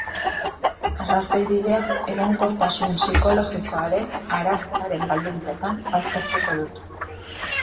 Arrazoibidea egonkortasun psikologikoaren arazoaren baldintzetan aurkeztuko dut.